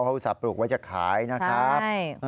อุตส่าหลูกไว้จะขายนะครับ